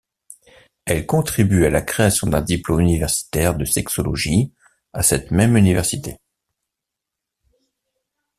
Elle contribue à la création d'un diplôme universitaire de sexologie à cette même université.